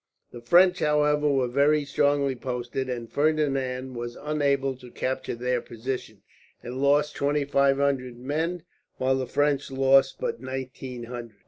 The French, however, were very strongly posted, and Ferdinand was unable to capture their position, and lost twenty five hundred men, while the French loss was but nineteen hundred.